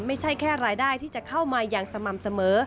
ไม่ใช่แค่รายได้ที่จะเข้ามาอย่างสม่ำเสมอ